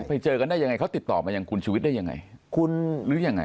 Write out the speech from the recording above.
ไปเจอกันได้ยังไงเขาติดต่อมาอย่างคุณชีวิตได้ยังไง